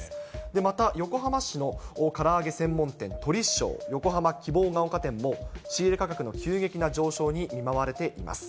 また横浜市のから揚げ専門店、鶏しょう横浜希望ヶ丘店も、仕入れ価格の急激な上昇に見舞われています。